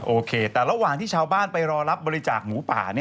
โอเคแต่ระหว่างที่ชาวบ้านไปรอรับบริจาคหมูป่า